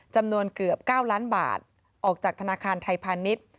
จำนวนเกือบ๙ล้านบาทออกจากธนาคารไทยพาณิชย์